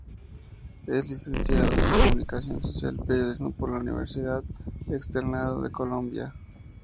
Es licenciado en Comunicación Social y Periodismo por la Universidad Externado de Colombia.